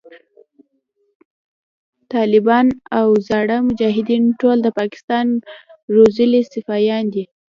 ټالبان او زاړه مجایدین ټول د پاکستان روزلی سفیان دی